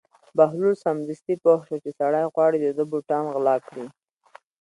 بهلول سمدستي پوه شو چې سړی غواړي د ده بوټان غلا کړي.